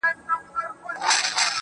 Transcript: د زهرو تر جام تریخ دی، زورور تر دوزخونو.